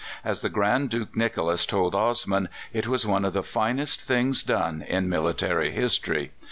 As the Grand Duke Nicholas told Osman, it was one of the finest things done in military history.